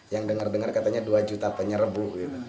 yang dengar dengar katanya dua juta penyerbu